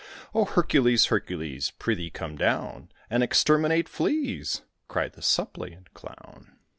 "O Hercules, Hercules, prithee come down, And exterminate Fleas!" cried the suppliant clown.